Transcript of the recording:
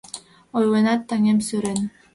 Ойленат, таҥем, сӧрен